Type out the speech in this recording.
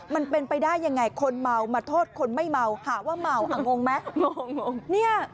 มันไปได้อย่างไร